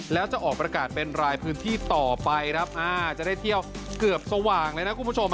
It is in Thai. แล้วจะออกประกาศเป็นรายพื้นที่ต่อไปครับอ่าจะได้เที่ยวเกือบสว่างเลยนะคุณผู้ชม